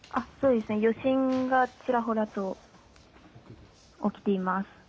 余震がちらほらと起きています。